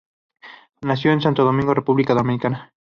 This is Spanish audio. Nació en Santo Domingo, República Dominicana.